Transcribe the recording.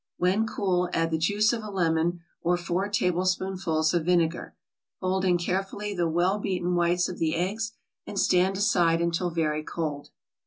When cool add the juice of a lemon or four tablespoonfuls of vinegar. Fold in carefully the well beaten whites of the eggs, and stand aside until very cold.